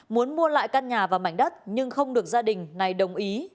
muốn mua lại căn nhà và mảnh đất nhưng không được gia đình này đồng ý